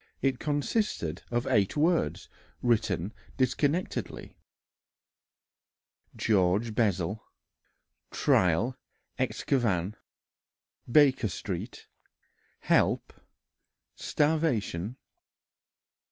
It consisted of eight words written disconnectedly: "George Bessel ... trial excavn ... Baker Street ... help ... starvation."